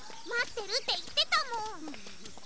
「まってる」っていってたもん。